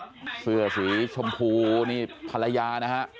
นี่ฮะเสื้อสีชมพูนี่่ภรรยานะฮะ